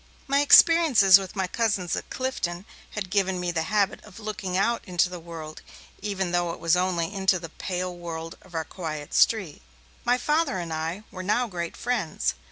My experiences with my cousins at Clifton had given me the habit of looking out into the world even though it was only into the pale world of our quiet street. My Father and I were now great friends.